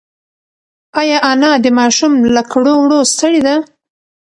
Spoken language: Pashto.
ایا انا د ماشوم له کړو وړو ستړې ده؟